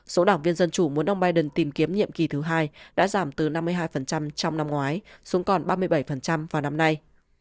số đảng viên dân chủ muốn ông biden tìm kiếm nhiệm kỳ thứ hai đã giảm từ năm mươi hai trong năm ngoái xuống còn ba mươi bảy vào năm nay